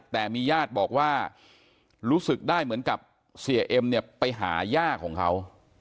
แต่มีญาติบอกว่ารู้สึกได้เหมือนกับเสียเอ็มเนี่ยไปหาย่าของเขา